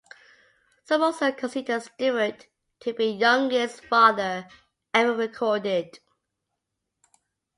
Some also consider Stewart to be the youngest father ever recorded.